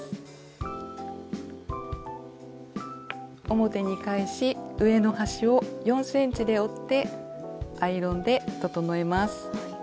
表に返し上の端を４ｃｍで折ってアイロンで整えます。